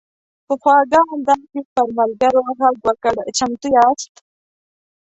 په خواږه انداز یې پر ملګرو غږ وکړ: "چمتو یاست؟"